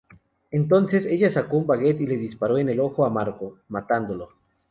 Entonces, ella sacó una baguette, y le disparó en el ojo a Marco, matándolo.